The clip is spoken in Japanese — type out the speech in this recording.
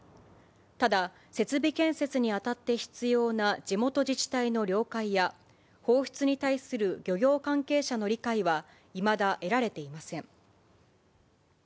ただ、設備建設にあたって必要な地元自治体の了解や、放出に対する漁業関係者の理解はいまだ得られていません。